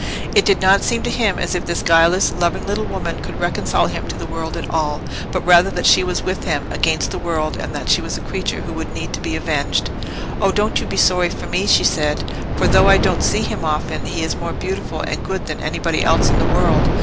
It did not seem to him as if this guileless loving little woman could reconcile him to the world at all, but rather that she was with him against the world, that she was a creature who would need to be avenged. "Oh, don't you be sorry for me," she said; "for though I don't see him often, he is more beautiful and good than anybody else in the world.